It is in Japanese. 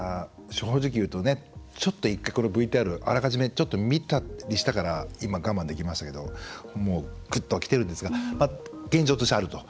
正直言うと１回、このＶＴＲあらかじめ見たりしたから今、我慢できましたけどもう、ぐっときてるんですが現状として、あると。